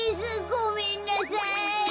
ごめんなさい。